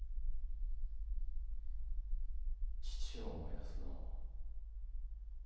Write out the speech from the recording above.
父を思い出すのう。